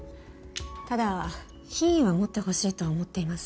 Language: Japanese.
ただ品位は持ってほしいと思っています。